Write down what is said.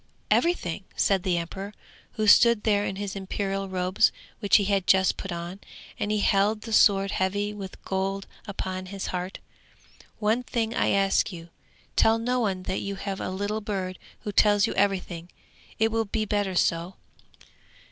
'Everything!' said the emperor, who stood there in his imperial robes which he had just put on, and he held the sword heavy with gold upon his heart. 'One thing I ask you! Tell no one that you have a little bird who tells you everything; it will be better so!'